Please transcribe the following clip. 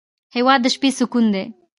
هېواد د شپې سکون دی.